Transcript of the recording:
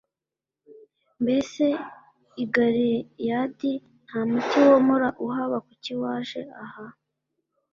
mbese i galeyadi nta muti womora uhaba kuki waje aha‽